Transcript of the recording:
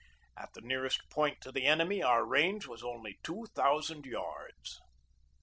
At the nearest point to the enemy our range was only two thousand yards.